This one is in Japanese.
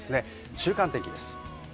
週間天気です。